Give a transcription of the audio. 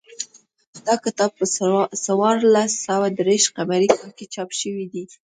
دا کتاب په څوارلس سوه دېرش قمري کال کې چاپ شوی دی